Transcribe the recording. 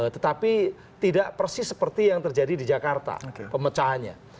tetapi tidak persis seperti yang terjadi di jakarta pemecahannya